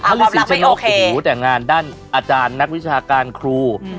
ห้ามลูกสินชะนกหรืออยู่แต่งงานด้านอาจารย์นักวิชาการครู